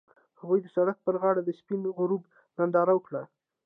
هغوی د سړک پر غاړه د سپین غروب ننداره وکړه.